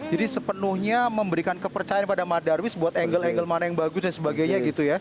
jadi sepenuhnya memberikan kepercayaan kepada mbak darwish buat angle angle mana yang bagus dan sebagainya gitu ya